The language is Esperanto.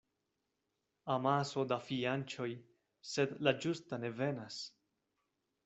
Amaso da fianĉoj, sed la ĝusta ne venas.